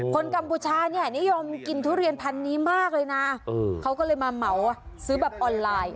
คนกำผู้ชานิยมกินทุเรียนพันนี้มากเลยนะเค้าก็เลยมาเมาซื้อแบบออนไลน์